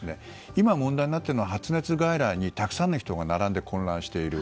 今、問題になっているのは発熱外来にたくさんの人が並んで混乱している。